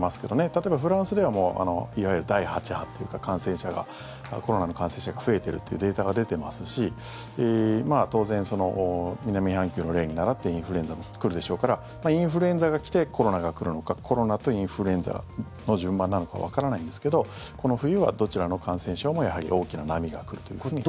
例えば、フランスではもういわゆる第８波というかコロナの感染者が増えているというデータが出てますし当然、南半球の例に倣ってインフルエンザも来るでしょうからインフルエンザが来てコロナが来るのかコロナとインフルエンザの順番なのかわからないんですけどこの冬はどちらの感染症も大きな波が来るということに。